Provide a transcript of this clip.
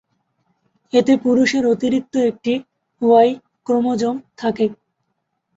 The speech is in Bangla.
এতে পুরুষের অতিরিক্ত একটি ওয়াই ক্রোমোজোম থাকে।